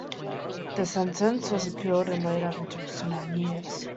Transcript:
The sentence was appealed and later reduced to nine years.